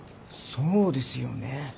そうですよね。